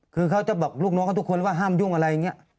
คือเขาจะบอกลูกน้องเขาทุกคนว่าห้ามยุ่งอะไรอย่างนี้